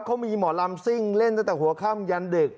เขามีหมอลำซิ่งเล่นตั้งแต่หัวค่ำยันดึก